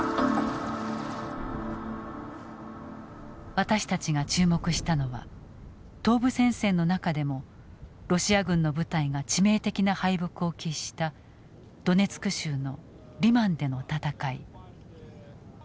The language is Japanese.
私たちが注目したのは東部戦線の中でもロシア軍の部隊が致命的な敗北を喫したドネツク州のリマンでの戦い。